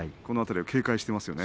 警戒していますよね。